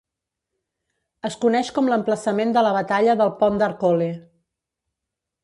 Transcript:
Es coneix com l'emplaçament de la Batalla del pont d'Arcole.